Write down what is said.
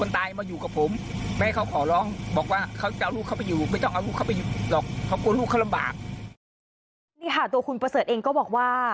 นี่ค่ะตัวคุณประเสริฐเองก็บอกว่า